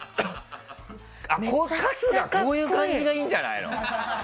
春日、こういう感じがいいんじゃない？